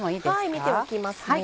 はい見ておきますね。